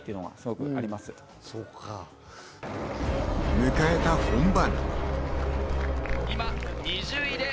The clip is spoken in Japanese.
迎えた本番。